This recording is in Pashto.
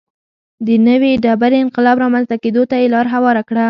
د نوې ډبرې انقلاب رامنځته کېدو ته یې لار هواره کړه.